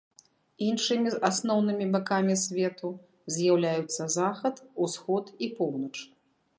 Іншымі асноўнымі бакамі свету з'яўляюцца захад, усход і поўнач.